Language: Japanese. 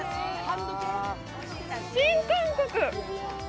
新感覚！